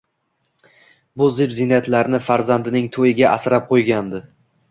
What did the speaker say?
Bu zeb-ziynatlarni farzandining to`yiga asrab qo`ygandi